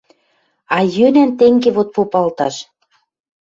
А йӧнӓн тенге вот попалташ: